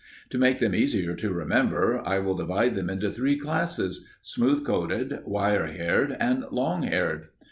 To make them easier to remember, I will divide them into three classes, smooth coated, wire haired, and long haired.